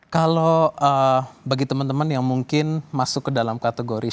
kalau bagi teman teman yang mungkin masuk ke dalam kategori